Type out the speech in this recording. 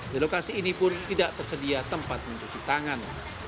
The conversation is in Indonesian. di lokasi ini pun tidak tersedia tempat mencuci tangan